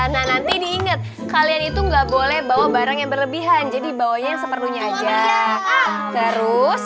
nah nanti diinget kalian itu nggak boleh bawa barang yang berlebihan jadi bawanya yang seperlunya aja terus